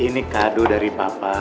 ini kado dari papa